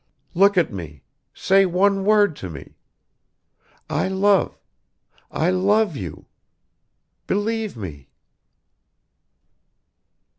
Look at me, say one word to me ... I love ... I love you ... believe me."